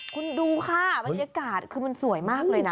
คุณดูค่ะบรรยากาศคือมันสวยมากเลยนะ